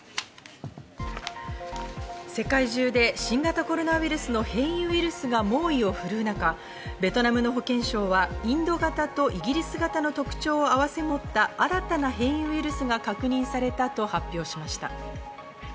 世界中で新型コロナウイルスの変異ウイルスが猛威を振るう中、ベトナムの保健省はインド型とイギリス型の特徴を合わせ持った新たな変異ウイルスが確認されたと発表しました。